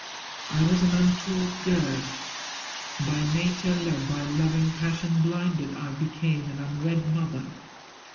I was an untaught girl. By nature led, By love and passion blinded, I became An unwed mother.